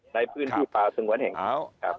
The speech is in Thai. ในพื้นที่ป่าสึงวันแห่งครับ